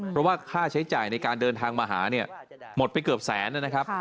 เพราะว่าค่าใช้จ่ายในการเดินทางมาหาเนี่ยหมดไปเกือบแสนนะครับ